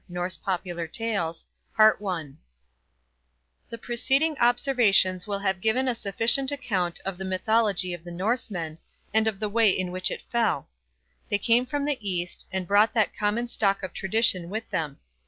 NORSE POPULAR TALES The preceding observations will have given a sufficient account of the mythology of the Norsemen, and of the way in which it fell. They came from the East, and brought that common stock of tradition with them.